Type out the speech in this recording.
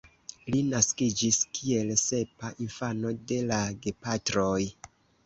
Li naskiĝis kiel sepa infano de la gepatroj.